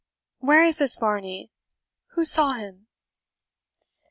Where is this Varney? Who saw him?"